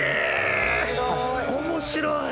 面白い。